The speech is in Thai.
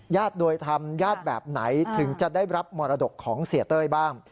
โดยธรรมญาติแบบไหนถึงจะได้รับมรดกของเสียเต้ยบ้าง